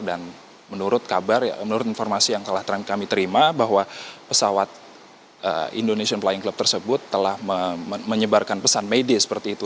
dan menurut kabar menurut informasi yang telah kami terima bahwa pesawat indonesian flying club tersebut telah menyebarkan pesan media seperti itu